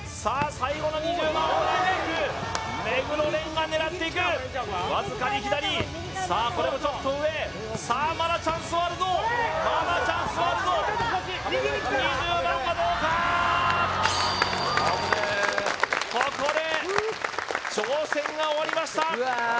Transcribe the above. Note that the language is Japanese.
最後の２０番を狙っていく目黒蓮が狙っていくわずかに左さあこれもちょっと上さあまだチャンスはあるぞまだチャンスはあるぞ２０番はどうかここで挑戦が終わりましたうわ